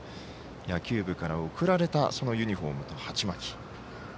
野球部から贈られたユニフォームと鉢巻き。